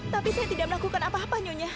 tapi saya tidak melakukan apa apa nyonya